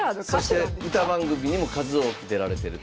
そして歌番組にも数多く出られてると。